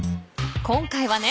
今回はね